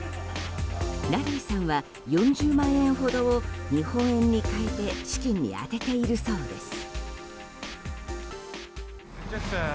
ラリーさんは４０万円ほどを日本円に換えて資金に充てているそうです。